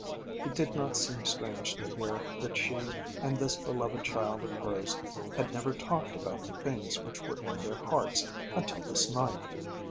It did not seem strange to her that she and this beloved child of hers had never talked about the things which were in their hearts until this night.